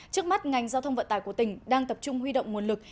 trước mắt ngành giao thông vận tải của tỉnh đang tập trung huy động nguồn lực